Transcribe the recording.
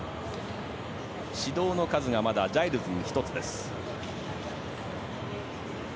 指導の数がまだジャイルズに１つです。